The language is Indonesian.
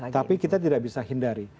tapi kita tidak bisa hindari